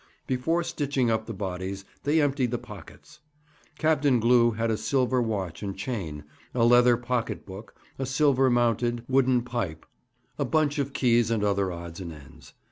Before stitching up the bodies, they emptied the pockets. Captain Glew had a silver watch and chain, a leather pocket book, a silver mounted, wooden pipe, a bunch of keys, and other odds and ends.